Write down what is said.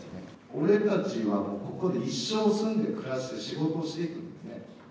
俺たちはここで一生、住んで暮らして、仕事していくのにね。